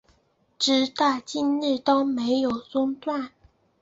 直到今日都没有中断